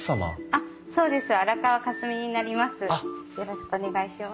ああそうです。